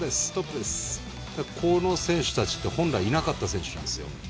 この選手たちって本来いなかった選手なんです。